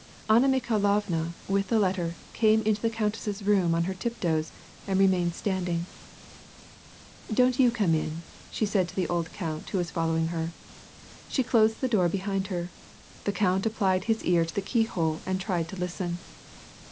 Anna Mikhailovna, with the letter, came into the countess's room on her tiptoes and re mained standing. " Don't you come in," said she to the old count, who was following her. She closed the door behind her. The count applied his ear to the keyhole and tried to listen.